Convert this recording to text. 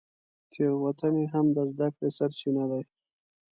تېروتنې هم د زده کړې سرچینه دي.